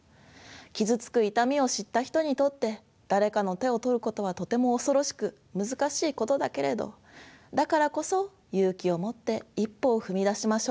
傷つく痛みを知った人にとって誰かの手を取ることはとても恐ろしく難しいことだけれどだからこそ勇気を持って一歩を踏み出しましょう。